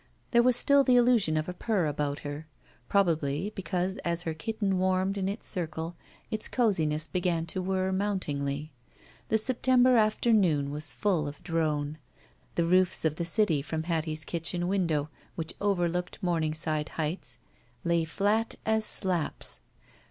There was still the illusion of a purr about her. Probably because, as her kitten warmed in its circle, its coziness began to whir mountingly. The September afternoon was full of drone. The roofs of the city from Hattie's kitchen window, which overlooked Momingside Heights, lay flat as slaps.